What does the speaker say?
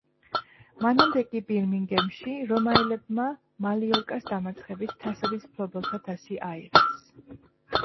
მანამდე კი ბირმინგემში რომაელებმა „მალიორკას“ დამარცხებით თასების მფლობელთა თასი აიღეს.